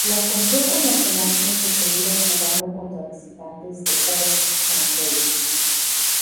La compró con las ganancias obtenidas jugando contra visitantes de Ord Mantell.